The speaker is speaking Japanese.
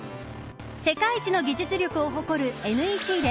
世界一の技術力を誇るＮＥＣで